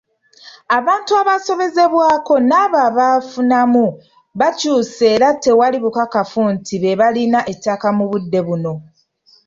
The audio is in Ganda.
Abantu abaasobezebwako n'abo abaafunamu bakyuse era tewali bukakafu nti be balina ettaka mu budde buno.